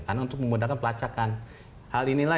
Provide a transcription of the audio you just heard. karena untuk memudahkan pelacakan hal inilah